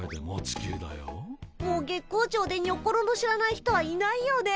もう月光町でにょころの知らない人はいないよね。